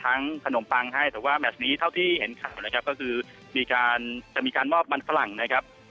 ขนมปังให้แต่ว่าแมชนี้เท่าที่เห็นข่าวนะครับก็คือมีการจะมีการมอบมันฝรั่งนะครับ